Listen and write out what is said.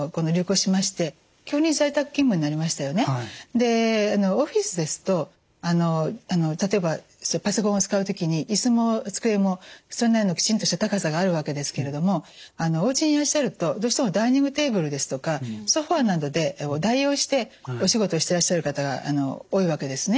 でオフィスですと例えばパソコンを使う時に椅子も机もそれなりのきちんとした高さがあるわけですけれどもおうちにいらしゃるとどうしてもダイニングテーブルですとかソファーなどで代用してお仕事してらっしゃる方多いわけですね。